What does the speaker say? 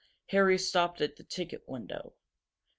Harry stopped at the ticket window.